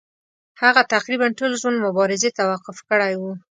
هغه تقریبا ټول ژوند مبارزې ته وقف کړی وو.